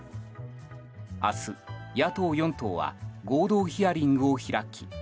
明日、野党４党は合同ヒアリングを開き